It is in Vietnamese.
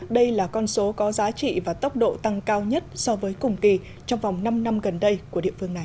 đây là con số có giá trị và tốc độ tăng cao nhất so với cùng kỳ trong vòng năm năm gần đây của địa phương này